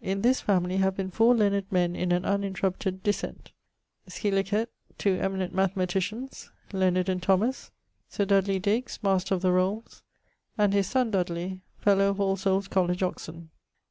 In this family have been four learned men in an uninterrupted descent scilicet, two eminent mathematicians (Leonard and Thomas), Sir Dudley Digges, Master of the Rolles, and his sonne Dudley, fellow of Allsoules College, Oxon.